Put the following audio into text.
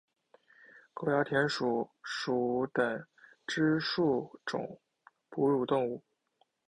沟牙田鼠属等之数种哺乳动物。